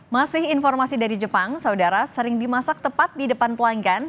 masih informasi dari jepang saudara sering dimasak tepat di depan pelanggan